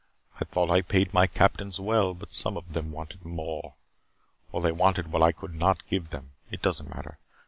I thought I paid my captains well, but some of them wanted more. Or they wanted what I could not give them. It doesn't matter.